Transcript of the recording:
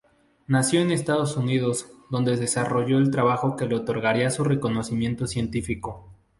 Nació en Estados Unidos donde desarrollo el trabajo que le otorgaría su reconocimiento científico.